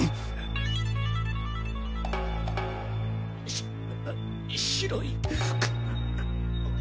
し白い服。